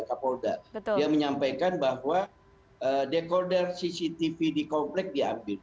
kapol dan beliau menyampaikan bahwa dekoder cctv di komplek diambil